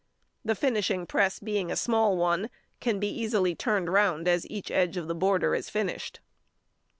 The finishing press being a small one, can be easily turned round as each edge of the border is finished.